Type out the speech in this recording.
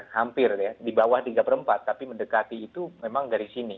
hampir ya di bawah tiga per empat tapi mendekati itu memang dari sini